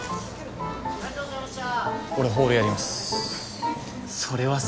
俺ホールやります。